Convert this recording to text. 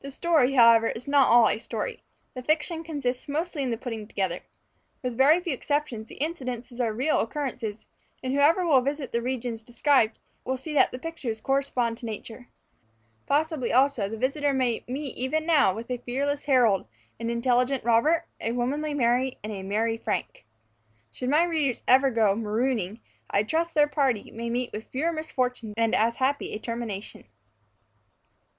The story, however, is not all a story; the fiction consists mostly in the putting together. With very few exceptions, the incidents are real occurrences; and whoever will visit the regions described, will see that the pictures correspond to nature. Possibly also, the visitor may meet even now, with a fearless Harold, an intelligent Robert, a womanly Mary, and a merry Frank. Should my young readers ever go marooning, I trust their party may meet with fewer misfortunes and as happy a termination.